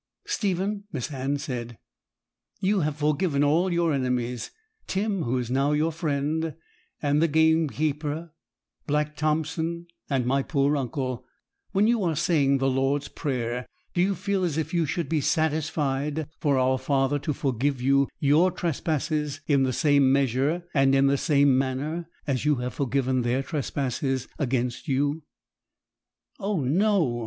'Stephen,' Miss Anne said, 'you have forgiven all your enemies: Tim, who is now your friend, and the gamekeeper, Black Thompson, and my poor uncle; when you are saying the Lord's Prayer, do you feel as if you should be satisfied for our Father to forgive you your trespasses in the same measure and in the same manner as you have forgiven their trespasses against you?' 'Oh no!'